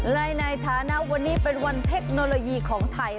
และในฐานะวันนี้เป็นวันเทคโนโลยีของไทย